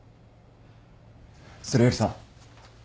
それよりさ